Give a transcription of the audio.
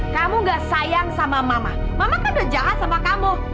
kamu gak sayang sama mama mama kamu udah jahat sama kamu